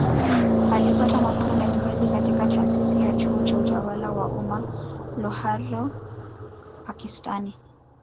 Alipata mafunzo mbalimbali katika Taasisi ya Chuo cha Utawala wa Umma Lahore Pakistani